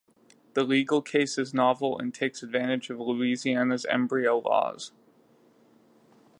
The legal case is novel and takes advantage of Louisiana's embryo laws.